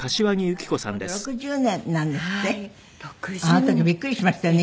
あの時びっくりしましたよね